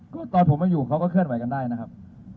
ก็ตอนผมมาอยู่เขาก็เคลื่อนไหวกันได้นะครับ